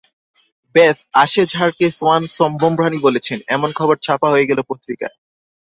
ব্যস, অ্যাশেজ হারকে সোয়ান সম্ভ্রমহানি বলেছেন—এমন খবর ছাপা হয়ে গেল পত্রিকায়।